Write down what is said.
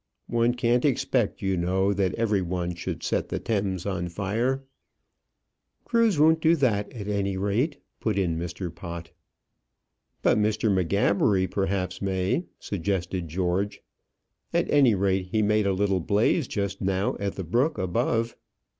One can't expect, you know, that every one should set the Thames on fire." "Cruse won't do that, at any rate," put in Mr. Pott. "But Mr. M'Gabbery perhaps may," suggested George. "At any rate, he made a little blaze just now at the brook above."